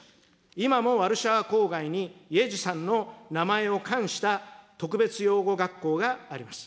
今もワルシャワ郊外に、イェジさんの名前を冠した特別養護学校があります。